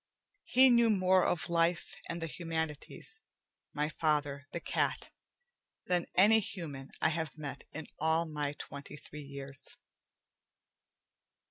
He knew more of life and the humanities, my father, the cat, than any human I have met in all my twenty three years.